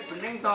ini bening dong